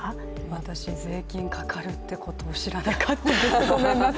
私、税金かかるってことを知らなかった、ごめんなさい。